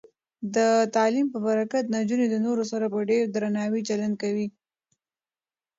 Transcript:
د تعلیم په برکت، نجونې د نورو سره په ډیر درناوي چلند کوي.